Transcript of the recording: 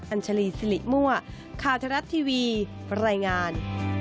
อัญชลีสิริมัวข้าวจรัสทีวีบรรยายงาน